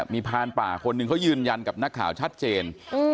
มีพานป่าคนหนึ่งเขายืนยันกับนักข่าวชัดเจน